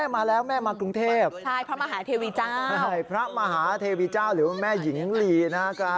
แม่มากรุงเทพฯพระมหาเทวีเจ้าหรือแม่หญิงลีนะฮะ